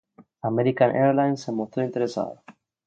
American Airlines se mostró interesada.